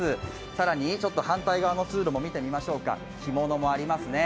更に反対側の通路も見てみましょうか、干物もありますね。